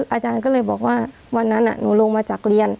อาจารย์ก็เลยบอกว่าวันนั้นหนูลงมาจากเรียน